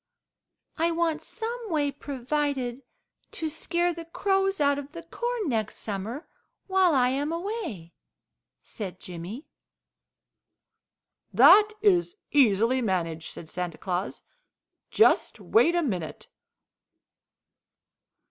"I want some way provided to scare the crows out of the corn next summer, while I am away," said Jimmy. "That is easily managed," said Santa Claus. "Just wait a minute."